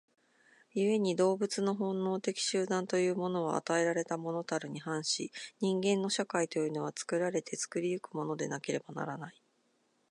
故に動物の本能的集団というものは与えられたものたるに反し、人間の社会というのは作られて作り行くものでなければならない。